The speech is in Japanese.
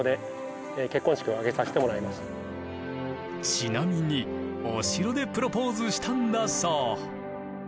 ちなみにお城でプロポーズしたんだそう。